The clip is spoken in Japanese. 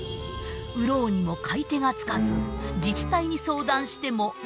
売ろうにも買い手がつかず自治体に相談してもなしのつぶて。